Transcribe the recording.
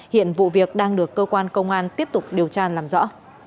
hiện vụ việc đang được cơ quan công an tiếp tục điều tra làm rõ